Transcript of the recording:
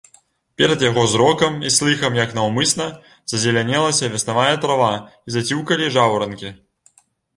Перад яго зрокам і слыхам як наўмысна зазелянелася веснавая трава і заціўкалі жаўранкі.